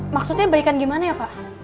maksudnya baikan gimana ya pak